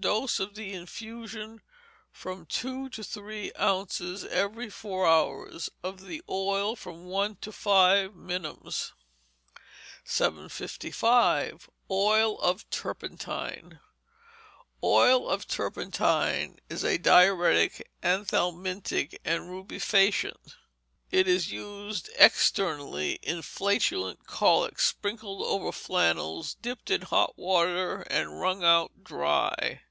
Dose, of the infusion, from two to three ounces every four hours, of the oil, from one to five minims. 755. Oil of Turpentine Oil of Turpentine is a diuretic, anthelmintic, and rubefacient. It is used externally in flatulent colic, sprinkled over flannels dipped in hot water and wrung out dry.